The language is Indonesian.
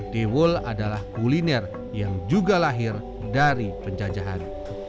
dewul adalah kuliner yang juga lahir dari penjajahan